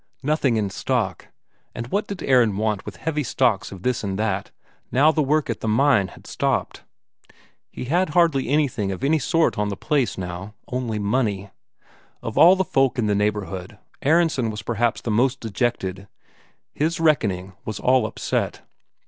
Nothing in stock and what did Aron want with heavy stocks of this and that now the work at the mine had stopped? He had hardly anything of any sort on the place now only money. Of all the folk in the neighbourhood, Aronsen was perhaps the most dejected; his reckoning was all upset.